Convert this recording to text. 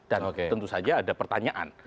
dan tentu saja ada pertanyaan